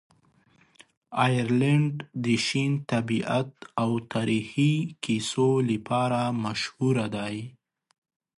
آیرلنډ د شین طبیعت او تاریخي کیسو لپاره مشهوره دی.